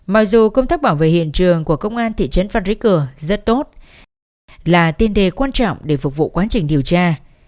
mặc dù công tác bảo vệ hiện trường của công an thị trấn phan rí cửa rất tốt là tiên đề quan trọng để phục vụ quá trình điều tra